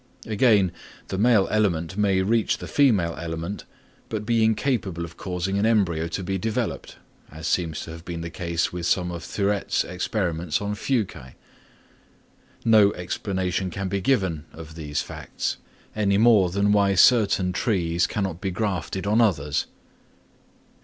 Again, the male element may reach the female element, but be incapable of causing an embryo to be developed, as seems to have been the case with some of Thuret's experiments on Fuci. No explanation can be given of these facts, any more than why certain trees cannot be grafted on others.